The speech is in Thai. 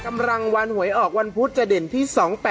รางวัลหวยออกวันพุธจะเด่นที่๒๘